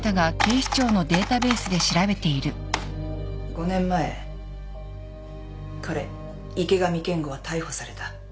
５年前彼池上健吾は逮捕された。